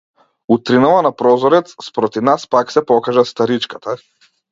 Утринава на прозорец спроти нас пак се покажа старичката.